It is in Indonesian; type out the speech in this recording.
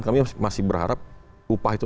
kami masih berharap upah itu